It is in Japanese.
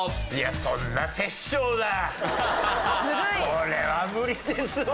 これは無理ですわ。